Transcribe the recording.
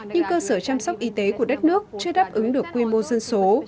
nhưng cơ sở chăm sóc y tế của đất nước chưa đáp ứng được quy mô dân số